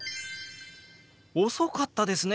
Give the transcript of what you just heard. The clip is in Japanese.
遅かったですね。